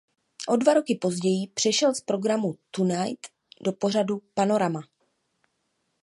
O dva roky později přešel z programu "Tonight" do pořadu "Panorama".